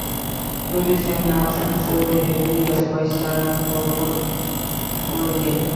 Curtis M. Lampson served ably as vice-chairman for over a decade.